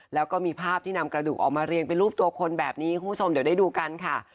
แล้วก็มีภาพที่นำกระดูกออกมาเรียงเป็นรูปตัวคนแบบนี้คุณผู้ชมเดี๋ยวได้ดูกันค่ะ